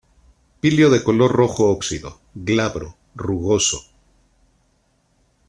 Píleo de color rojo óxido, glabro, rugoso.